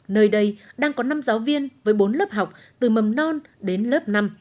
nơi đây đang có năm giáo viên với bốn lớp học từ mầm non đến lớp năm